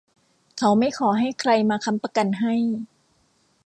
เขาไม่ขอให้ใครมาค้ำประกันให้